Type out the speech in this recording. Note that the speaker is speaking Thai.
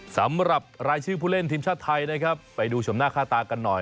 สำหรับรายชื่อผู้เล่นทีมชาติไทยนะครับไปดูชมหน้าค่าตากันหน่อย